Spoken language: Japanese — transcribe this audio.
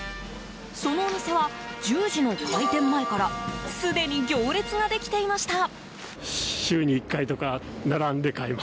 そのお店は、１０時の開店前からすでに行列ができていました。